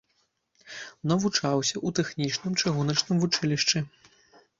Навучаўся ў тэхнічным чыгуначным вучылішчы.